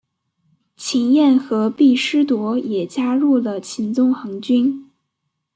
秦彦和毕师铎也加入了秦宗衡军。